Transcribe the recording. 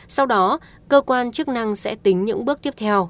sau đó cơ quan chức năng sẽ tính những bước tiếp theo